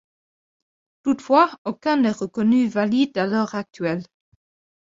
Toutefois, aucun n'est reconnu valide à l'heure actuelle.